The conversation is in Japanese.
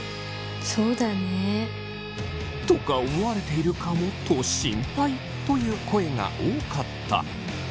そうだね。とか思われているかもと心配という声が多かった。